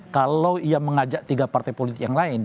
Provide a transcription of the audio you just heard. kalau ia mengajak tiga partai politik yang lain